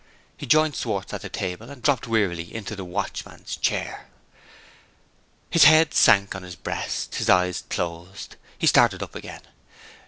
He joined Schwartz at the table, and dropped wearily into the watchman's chair. His head sank on his breast, his eyes closed. He started up again.